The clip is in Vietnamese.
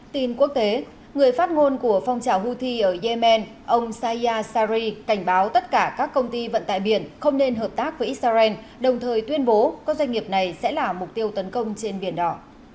tin quốc tế người phát ngôn của phong trào houthi ở yemen ông saya sari cảnh báo tất cả các công ty vận tại biển không nên hợp tác với israel đồng thời tuyên bố các doanh nghiệp này sẽ là mục tiêu tấn công trên biển đỏ